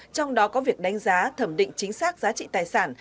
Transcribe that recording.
trong đó có việc đánh giá thẩm định chính xác giá trị tài sản